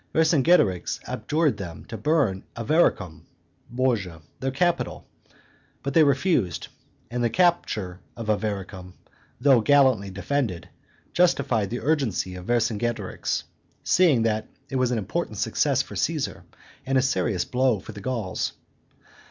Vercingetorix adjured them also to burn Avaricum (Bourges), their capital; but they refused, and the capture of Avaricum, though gallantly defended, justified the urgency of Vercingetorix, seeing that it was an important success for Caesar and a serious blow for the Gauls.